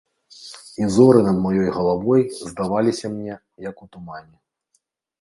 І зоры над маёй галавой здаваліся мне, як у тумане.